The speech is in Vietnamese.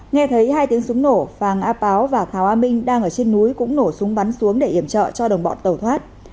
nghe thấy hai tiếng súng nổ phàng á páo và thảo a minh đang ở trên núi cũng nổ súng bắn xuống để iểm trợ cho đồng bọn tàu thoát